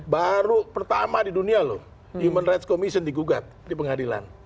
baru pertama di dunia loh human rights commission digugat di pengadilan